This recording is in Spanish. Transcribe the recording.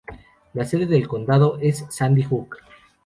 La sede de condado es Sandy Hook.